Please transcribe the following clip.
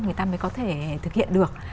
người ta mới có thể thực hiện được